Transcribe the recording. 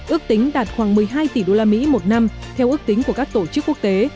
ước tính đạt khoảng một mươi hai tỷ đô la mỹ một năm theo ước tính của các tổ chức quốc tế